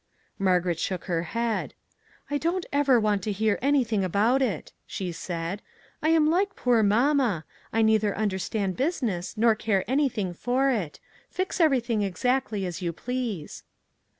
Margaret shook her head, " I don't ever want to hear anything about it," she said. " I am like poor mamma, I neither understand business, nor care anything for it; fix every thing exactly as you please."